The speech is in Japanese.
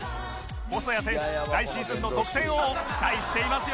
細谷選手来シーズンの得点王期待していますよ！